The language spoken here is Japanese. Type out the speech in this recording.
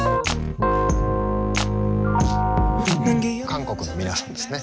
韓国の皆さんですね。